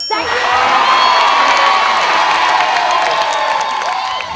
ใช่ครับ